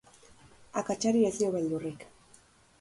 Akatsari ez dio beldurrik.